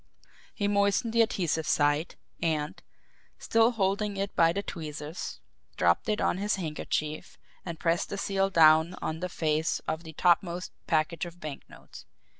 He moistened the adhesive side, and, still holding it by the tweezers, dropped it on his handkerchief and pressed the seal down on the face of the topmost package of banknotes.